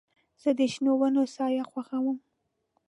زه د شنو ونو سایه خوښوم.